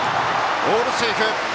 オールセーフ！